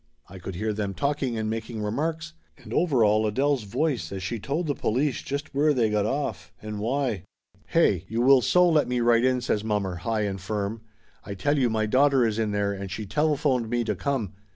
I could hear them talking and making remarks, and over all Adele's voice as she told the police just where they got off, and why. 308 Laughter Limited "Hey ! You will so let me right in !" says mommer, high and firm. "I tell you my daughter is in there and she telephoned me to come.